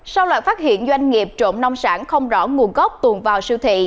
sau loạt phát hiện doanh nghiệp trộm nông sản không rõ nguồn gốc tuồn vào siêu thị